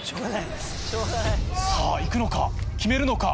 さぁいくのか決めるのか。